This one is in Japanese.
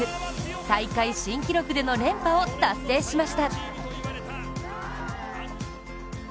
大会新記録での連覇を達成しました。